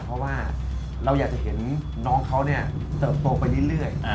เพราะว่าเราอยากจะเห็นน้องเขาเติบโตไปเรื่อย